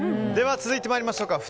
では続いてまいりましょう。